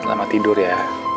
selamat tidur ya